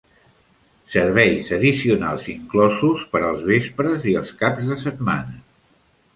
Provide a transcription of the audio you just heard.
Serveis addicionals inclosos per les tardes i els caps de setmana.